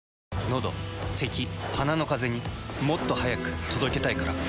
のどせき鼻のカゼにもっと速く届けたいから。